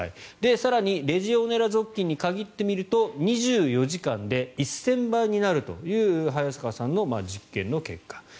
更にレジオネラ属菌に限ってみると、２４時間で１０００倍になるという早坂さんの実験の結果。